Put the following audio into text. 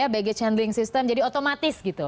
baggage handling system jadi otomatis gitu